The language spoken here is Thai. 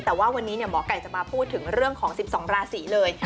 แต่ว่าวันนี้หมอไก่จะมาพูดถึงเรื่องของ๑๒ราศีเลย